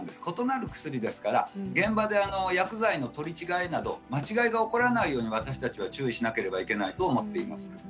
異なる薬ですから現場で薬剤の取り違えなどが起こらないように私たちが注意しなければいけないと思っています。